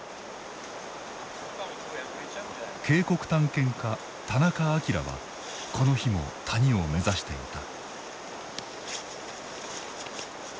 渓谷探検家田中彰はこの日も谷を目指していた。